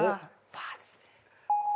マジで？